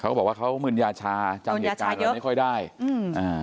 เขาบอกว่าเขามึนยาชาจำเหตุการณ์อะไรไม่ค่อยได้อืมอ่า